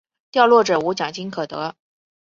掉落者无奖金可得。